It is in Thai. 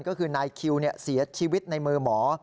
ก็คือนายคิวเสียชีวิตในมือหมอ